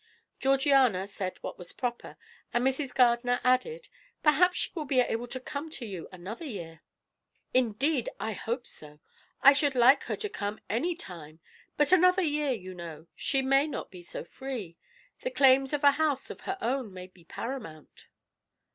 Georgiana said what was proper, and Mrs. Gardiner added: "Perhaps she will be able to come to you another year." "Indeed, I hope so. I should like her to come any time; but another year, you know, she may not be so free; the claims of a house of her own may be paramount."